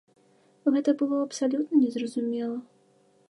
Гэта было абсалютна незразумела.